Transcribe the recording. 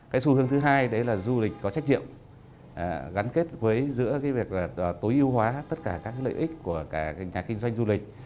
cái xu hướng thứ hai đấy là du lịch có trách nhiệm gắn kết với giữa việc tối ưu hóa tất cả các lợi ích của cả nhà kinh doanh du lịch